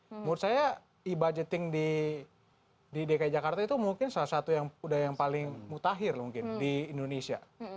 menurut saya e budgeting di dki jakarta itu mungkin salah satu yang udah yang paling mutakhir mungkin di indonesia